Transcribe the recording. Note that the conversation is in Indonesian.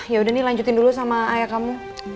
ya udah nih lanjutin dulu sama ayah kamu